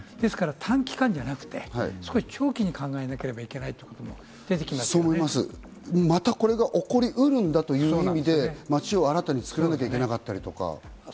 短期間じゃなくて、長期に考えなければいけないということが出てまたこれが起こりうるんだという意味で街を新たに作らなきゃいけなかったり。